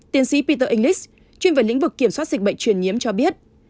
tiến sĩ peter english chuyên về lĩnh vực kiểm soát dịch bệnh truyền nhiễm cho biết